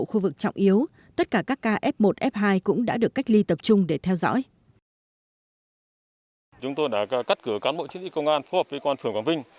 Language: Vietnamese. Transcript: trong khu vực trọng yếu tất cả các ca f một f hai cũng đã được cách ly tập trung để theo dõi